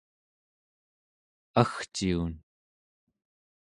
agciun